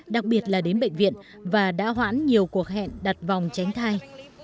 đặc biệt là đến bệnh viện và đã hoãn nhiều cuộc hẹn đặt vòng tránh thai